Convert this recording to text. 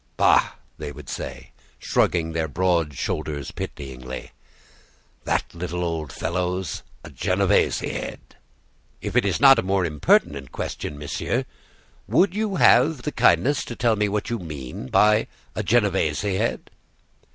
"Bah!" they would say, shrugging their broad shoulders pityingly, "that little old fellow's a Genoese head!" "If it is not an impertinent question, monsieur, would you have the kindness to tell me what you mean by a Genoese head?"